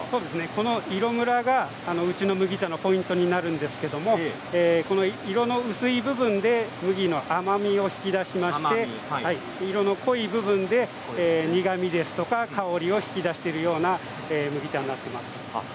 この、色ムラがうちの麦茶のポイントになるんですけれどこの色の薄い部分で麦の甘みを引き出しまして色の濃い部分で苦みですとか香りを引き出しているような麦茶になっています。